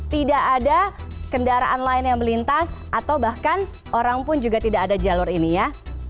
tidak ada kendaraan lain yang melintas atau bahkan orang pun juga tidak ada jalur ini ya